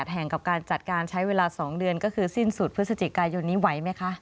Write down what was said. แห่งกับการจัดการใช้เวลา๒เดือนก็คือสิ้นสุดพฤศจิกายนนี้ไหวไหมคะ